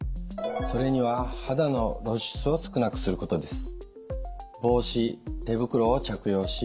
それには肌の露出を少なくすることです。